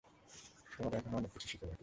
তোমার এখনও অনেক কিছু শেখা বাকি।